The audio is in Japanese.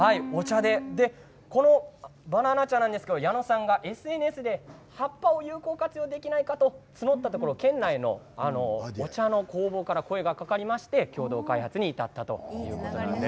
このバナナ茶なんですが矢野さんがＳＮＳで葉っぱを有効活用できないかと募ったところ県内のお茶の工房から声がかかりまして共同開発に至ったということです。